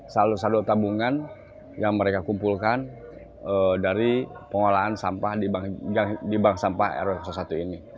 saldo saldo tabungan yang mereka kumpulkan dari pengolahan sampah di bank sampah r satu ini